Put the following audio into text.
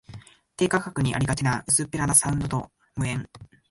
低価格にありがちな薄っぺらなサウンドとは無縁